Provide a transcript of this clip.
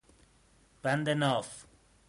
بند ناف